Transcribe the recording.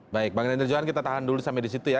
baik bang render johan kita tahan dulu sampai di situ ya